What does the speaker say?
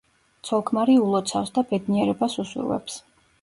ცოლ-ქმარი ულოცავს და ბედნიერებას უსურვებს.